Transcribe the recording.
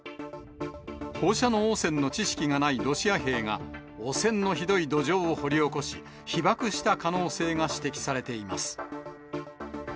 放射能汚染の知識がないロシア兵が、汚染のひどい土壌を掘り起こし、被ばくした可能性が指摘されています。